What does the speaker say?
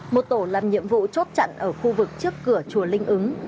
một tổ làm nhiệm vụ chốt chặn ở khu vực trước cửa chùa linh ứng